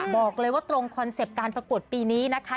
บอกเลยว่าตรงคอนเซ็ปต์การประกวดปีนี้นะคะ